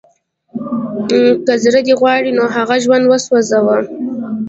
که زړه دې غواړي نو هغه ژوندی وسوځوه